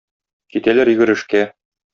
Китәләр йөгерешкә.